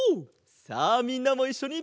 さあみんなもいっしょに！